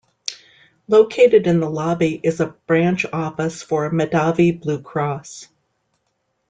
Located in the lobby is a branch office for Medavie Blue Cross.